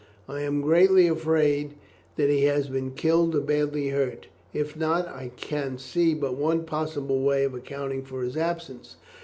I am greatly afraid that he has been killed or badly hurt; if not, I can see but one possible way of accounting for his absence.